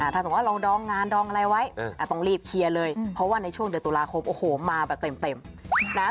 ถ้าสมมุติเราดองงานดองอะไรไว้ต้องรีบเคลียร์เลยเพราะว่าในช่วงเดือนตุลาคมโอ้โหมาแบบเต็มนะ